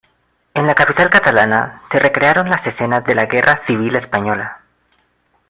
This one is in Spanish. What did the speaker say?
En la capital catalana se recrearon las escenas de la Guerra Civil española.